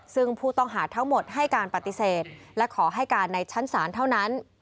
ซึ่งผู้ต้องหาทั้งหมดให้การปฏิเสธและขอให้การในชั้นศาลเท่านั้น